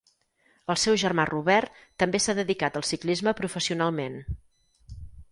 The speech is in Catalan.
El seu germà Robert també s'ha dedicat al ciclisme professionalment.